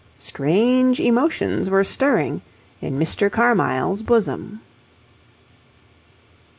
Strange emotions were stirring in Mr. Carmyle's bosom.